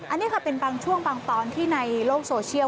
อันนี้ค่ะเป็นบางช่วงบางตอนที่ในโลกโซเชียล